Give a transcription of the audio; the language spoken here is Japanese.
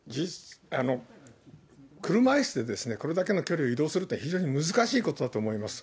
車いすでこれだけの距離を移動するというのは、非常に難しいことだと思います。